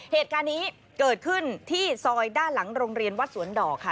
เหตุการณ์นี้เกิดขึ้นที่ซอยด้านหลังโรงเรียนวัดสวนดอกค่ะ